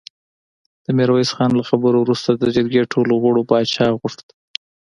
د ميرويس خان له خبرو وروسته د جرګې ټولو غړو پاچا غوښت.